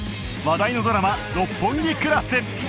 話題のドラマ『六本木クラス』